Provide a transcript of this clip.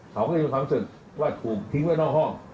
เขาก็จะมีความรู้สึกว่าถูกทิ้งไว้นอกห้อง